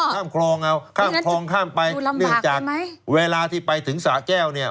ข้ามครองเอาข้ามครองข้ามไปดูลำบากใช่ไหมเนื่องจากเวลาที่ไปถึงสาแก้วเนี่ย